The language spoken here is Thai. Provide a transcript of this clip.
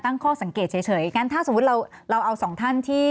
ข้อสังเกตเฉยงั้นถ้าสมมุติเราเอาสองท่านที่